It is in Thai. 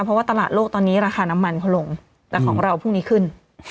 เพราะว่าตลาดโลกตอนนี้ราคาน้ำมันเขาลงแต่ของเราพรุ่งนี้ขึ้น